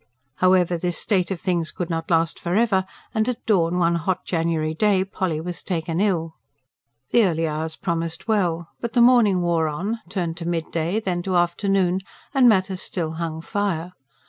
However, this state of things could not last for ever, and at dawn, one hot January day, Polly was taken ill. The early hours promised well. But the morning wore on, turned to midday, then to afternoon, and matters still hung fire.